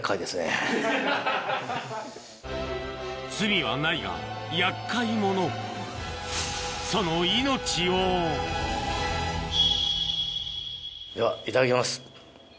罪はないが厄介者その命をではいただきます。